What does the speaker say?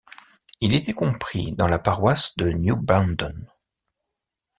Il était compris dans la paroisse de New Bandon.